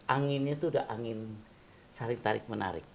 anginnya itu sudah angin saring tarik menarik